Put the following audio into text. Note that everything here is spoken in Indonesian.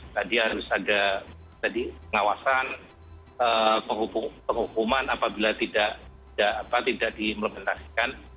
tadi harus ada tadi pengawasan penghukuman apabila tidak diimplementasikan